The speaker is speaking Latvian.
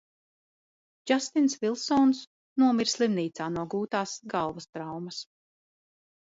Džastins Vilsons nomira slimnīcā no gūtās galvas traumas.